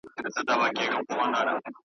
یو او مهم علت یې دا دی .